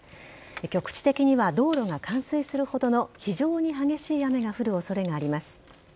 局地的には道路が冠水するほどの非常に激しい雨が降る恐れがあります。